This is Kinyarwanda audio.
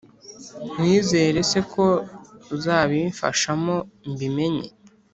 nkwizere se ko uzabifashamo mbimenye